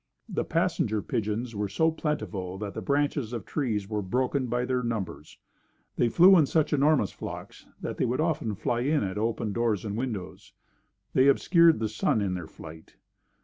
The passenger pigeons were so plentiful that the branches of trees were broken by their numbers. They flew in such enormous flocks that they would often fly in at open doors and windows. They obscured the sun in their flight.